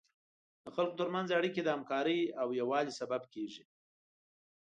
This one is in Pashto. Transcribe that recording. د خلکو تر منځ اړیکې د همکارۍ او یووالي سبب کیږي.